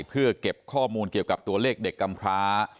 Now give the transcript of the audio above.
เพื่อเก็บข้อมูลเกี่ยวกับตัวเลขเด็กกำพร้า